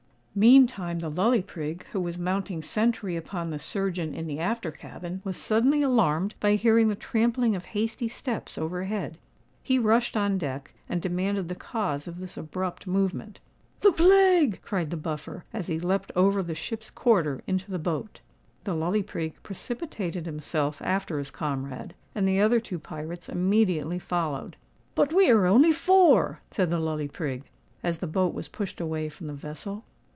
Meantime the Lully Prig, who was mounting sentry upon the surgeon in the after cabin, was suddenly alarmed by hearing the trampling of hasty steps over head. He rushed on deck, and demanded the cause of this abrupt movement. "The plague!" cried the Buffer, as he leapt over the ship's quarter into the boat. The Lully Prig precipitated himself after his comrade; and the other two pirates immediately followed. "But we are only four!" said the Lully Prig, as the boat was pushed away from the vessel.